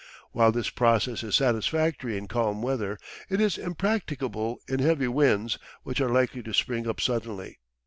While this process is satisfactory in calm weather, it is impracticable in heavy winds, which are likely to spring up suddenly.